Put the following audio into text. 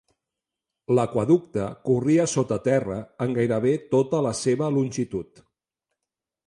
L'aqüeducte corria sota terra en gairebé tota la seva longitud.